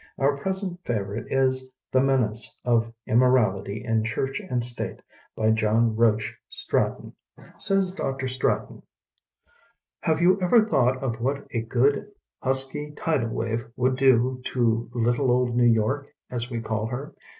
Our present fav orite is "The Menace of Inmiorality In Church and State" by John Roach Straton. Says Dr. Straton: Have you ever thought of what a good husky tidal wave would do to "little Old New York" as we caU her?